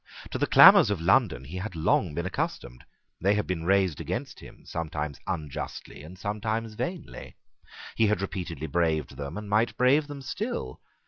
To the clamours of London he had been long accustomed. They had been raised against him, sometimes unjustly, and sometimes vainly. He had repeatedly braved them, and might brave them still.